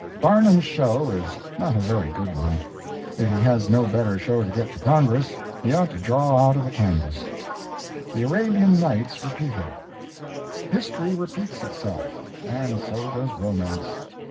Barnum's show is not a very good one. If he has no better show to get to Congress, he ought to draw out of the canvass. THE ARABIAN NIGHTS REPEATED History repeats itself, and so does romance.